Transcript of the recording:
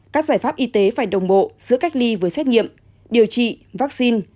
các giải pháp y tế phải đồng bộ giữa cách ly với xét nghiệm điều trị vaccine